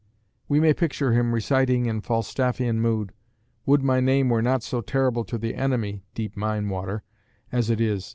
We may picture him reciting in Falstaffian mood, "Would my name were not so terrible to the enemy (deep mine water) as it is.